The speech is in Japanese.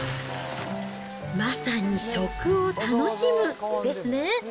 まさに食を楽しむですね。